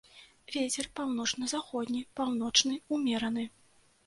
Вецер паўночна-заходні, паўночны ўмераны.